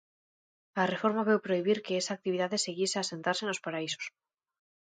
A reforma veu prohibir que esa actividade seguise a asentarse nos paraísos.